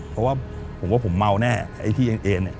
เพราะว่าผมว่าผมเมาแน่ไอ้ที่เองเอง